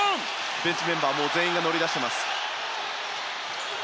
ベンチメンバーは全員が乗り出しています。